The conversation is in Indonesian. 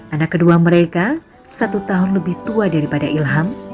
anak kedua mereka satu tahun lebih tua daripada ilham